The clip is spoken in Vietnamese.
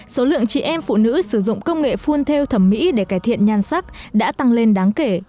số lượng chị em phụ nữ sử dụng công nghệ phun theo thẩm mỹ để cải thiện nhan sắc đã tăng lên đáng kể